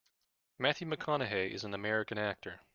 Matthew McConaughey is an American actor.